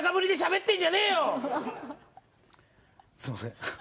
すいません